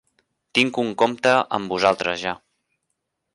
Tinc un compte amb vosaltres ja.